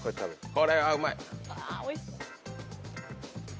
これはうまい。